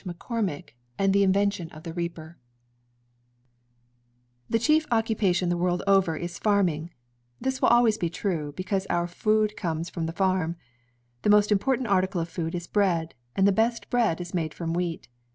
Mccormick and the invention OF THE REAPER The chief occupation the world over is farming. This will always be true, because our food comes from the farm. The most important article of food is bread, and the best bread is made from wheat.